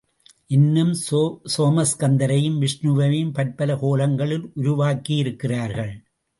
இன்னும் சோமாஸ்கந்தரையும் விஷ்ணுவையும் பற்பல கோலங்களில் உருவாக்கியிருக்கிறார்கள்.